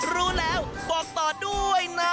รู้แล้วบอกต่อด้วยนะ